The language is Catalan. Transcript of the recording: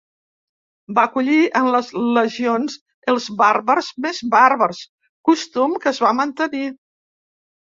Va acollir en les legions els bàrbars més bàrbars, costum que es va mantenir.